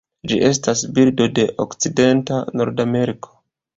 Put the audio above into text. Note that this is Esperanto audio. Ĝi estas birdo de okcidenta Nordameriko.